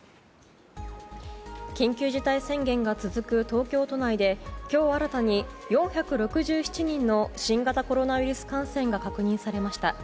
緊急事態宣言が続く東京都内で今日新たに、４６７人の新型コロナウイルス感染が確認されました。